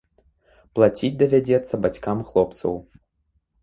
Плаціць давядзецца бацькам хлопцаў.